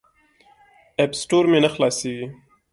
اپ سټور مې نه خلاصیږي.